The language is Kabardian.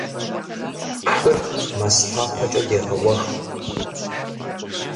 Хыр мастэпэкӀэ дегъэуэх.